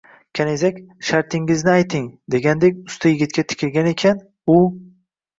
Kanizak “Shartingizni ayting”, degandek usta yigitga tikilgan ekan, u: